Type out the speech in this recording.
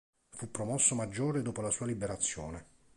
Fu promosso maggiore dopo la sua liberazione.